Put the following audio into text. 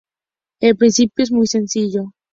El principio es muy sencillo.